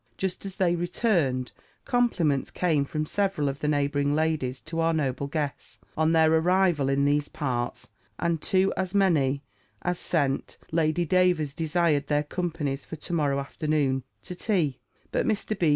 Just as they returned, compliments came from several of the neighbouring ladies to our noble guests, on their arrival in these parts; and to as many as sent, Lady Davers desired their companies for to morrow afternoon, to tea; but Mr. B.